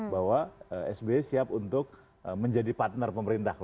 bahwa sby siap untuk menjadi partner pemerintah